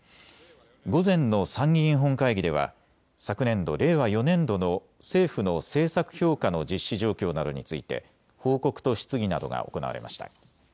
午前の参議院本会議では昨年度、令和４年度の政府の政策評価の実施状況などについて報告と質疑などが行われました。